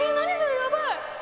やばい！